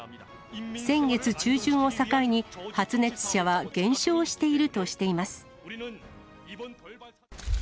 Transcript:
先月中旬を境に、発熱者は減少しているとしています。